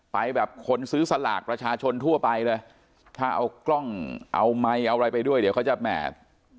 ไปแบบคนซื้อสลากประชาชนทั่วไปเลยถ้าเอากล้องเอาไมค์เอาอะไรไปด้วยเดี๋ยวเขาจะแหม่